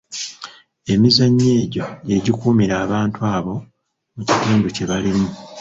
Emizannyo egyo gye gikuumira abantu abo mu kitundu kye balimu.